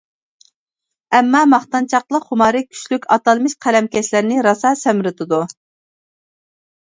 ئەمما ماختانچاقلىق خۇمارى كۈچلۈك ئاتالمىش قەلەمكەشلەرنى راسا سەمرىتىدۇ.